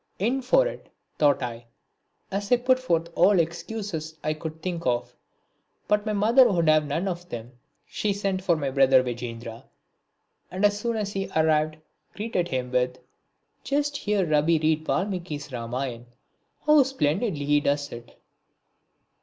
"In for it!" thought I, as I put forth all the excuses I could think of, but my mother would have none of them. She sent for my brother Dwijendra, and, as soon as he arrived, greeted him, with: "Just hear Rabi read Valmiki's Ramayan, how splendidly he does it."